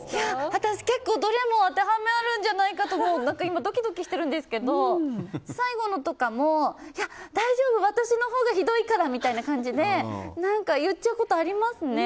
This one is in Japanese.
私、結構どれも当てはまるんじゃないかと今、ドキドキしてるんですけど最後のとかも大丈夫、私のほうがひどいからみたいな感じで何か言っちゃうことありますね。